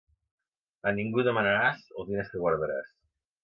A ningú demanaràs els diners que guardaràs.